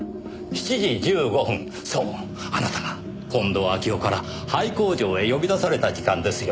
そうあなたが近藤秋夫から廃工場へ呼び出された時間ですよ。